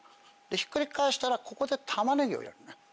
ひっくり返したらここでタマネギを入れるのね。